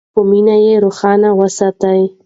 په مینه یې روښانه وساتئ.